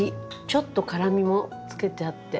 ちょっと辛みもつけてあって。